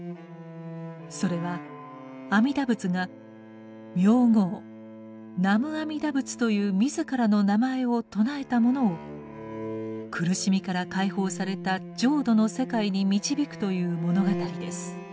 それは阿弥陀仏が名号「南無阿弥陀仏」という自らの名前を称えた者を苦しみから解放された浄土の世界に導くという物語です。